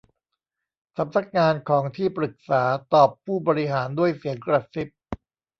'สำนักงานของที่ปรึกษา' ตอบผู้บริหารด้วยเสียงกระซิบ